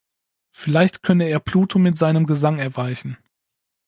Vielleicht könne er Pluto mit seinem Gesang erweichen.